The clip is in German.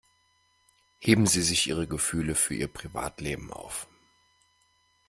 Heben Sie sich Ihre Gefühle für Ihr Privatleben auf!